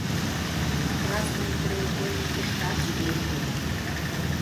«Красный треугольникышкат» шуын улына!